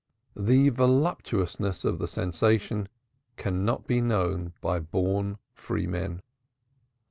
The voluptuousness of the sensation cannot be known by born freemen.